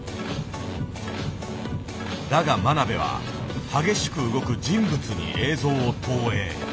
だが真鍋は激しく動く人物に映像を投影。